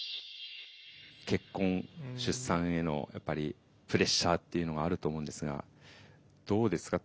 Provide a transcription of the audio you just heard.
「結婚」「出産」へのやっぱりプレッシャーっていうのはあると思うんですがどうですか？